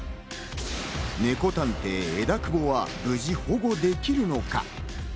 ネコ探偵・枝久保は無事保護できるのか。